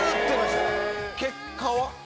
結果は？